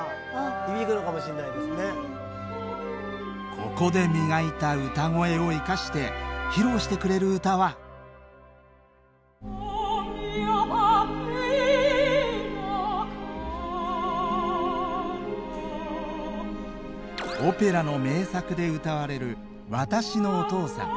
ここで磨いた歌声を生かしてオペラの名作で歌われる「私のお父さん」。